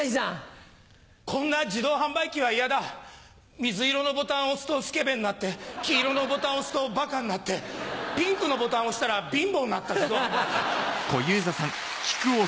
水色のボタンを押すとスケベになって黄色のボタンを押すとバカになってピンクのボタン押したら貧乏になった自動販売機。